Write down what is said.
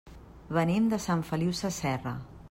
Venim de Sant Feliu Sasserra.